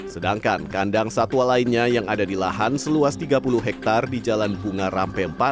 sedangkan kandang satwa lainnya yang ada di lahan seluas tiga puluh hektare di jalan bunga rampe empat